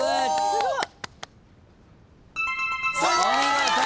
すごい！